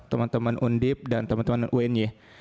teman teman undib dan teman teman unj